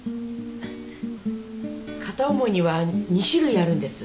片思いには２種類あるんです。